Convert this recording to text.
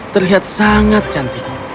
terlihat sangat cantik